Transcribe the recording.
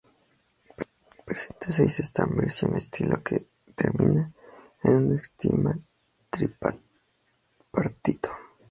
Presenta seis estambres y un estilo que termina en un estigma tri-partito.